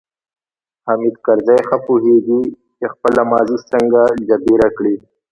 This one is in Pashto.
حامد کرزی ښه پوهیږي چې خپله ماضي څنګه جبیره کړي.